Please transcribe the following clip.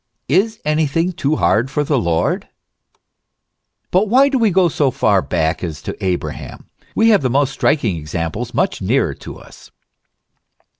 " Is any thing too hard for the Lord ?"* But why do we go so far back as to Abraham ? We have the most striking examples much nearer to us.